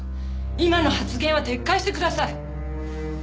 今の発言は撤回してください！